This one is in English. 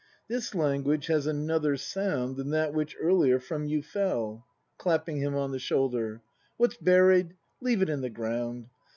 ] This language has another sound Than that which earlier from you fell. [Clapping him on the shoulder.] What's buried, leave it in the ground!